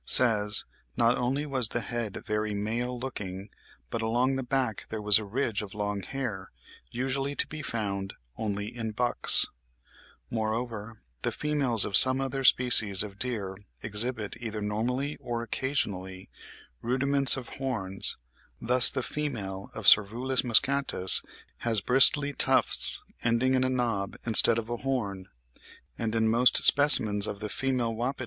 363), says, "not only was the head very male looking, but along the back there was a ridge of long hair, usually to be found only in bucks.") Moreover the females of some other species of deer exhibit, either normally or occasionally, rudiments of horns; thus the female of Cervulus moschatus has "bristly tufts, ending in a knob, instead of a horn"; and "in most specimens of the female wapiti (Cervus canadensis) there is a sharp bony protuberance in the place of the horn."